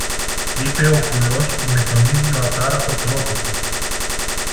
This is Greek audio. είπε ο κουλός με τον ίδιο ατάραχο τρόπο του